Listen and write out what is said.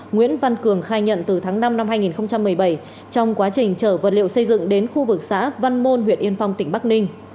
nguyễn văn cường khai nhận từ tháng năm năm hai nghìn một mươi bảy trong quá trình chở vật liệu xây dựng đến khu vực xã văn môn huyện yên phong tỉnh bắc ninh